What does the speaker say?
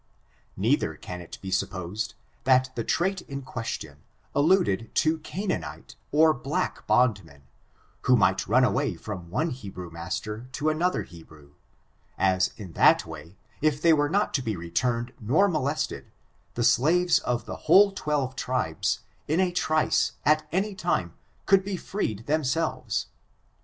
Neither can it be supposed that the trait in ques tion alluded to Canaanite, or black bondmen, who might run away from one Hebrew master to another Hebrew, as, in that way, if they were not to be re turned nor molested, the slaves of the whole twelve tribes, in a trice, at any time, could have freed them selves.